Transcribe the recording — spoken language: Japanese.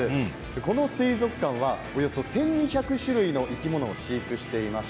この水族館はおよそ１２００種類の生き物を飼育しています。